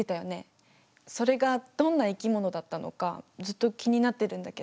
それがどんな生き物だったのかずっと気になってるんだけど。